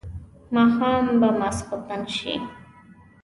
ماښام به ماخستن شي.